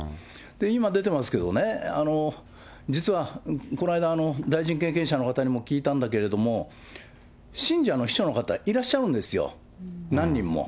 今、出てますけどね、実はこの間、大臣経験者の方にも聞いたんだけれども、信者の秘書の方いらっしゃるんですよ、何人も。